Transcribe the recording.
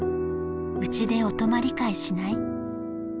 「うちでお泊まり会しない？」